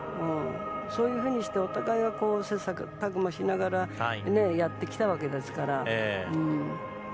そういうふうにしてお互い切磋琢磨しながらやってきたわけですから。